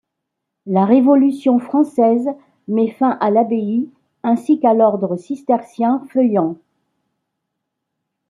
La Révolution française met fin à l'abbaye ainsi qu'à l'ordre cistercien feuillant.